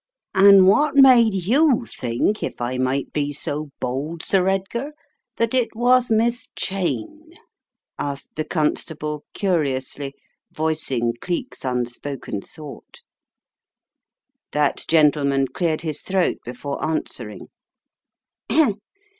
"An' what made you think, if I might be so bold, Sir Edgar, that it was Miss Cheyne?" asked the constable curiously, voicing Cleek's unspoken thought. That gentleman cleared his throat before answer ing.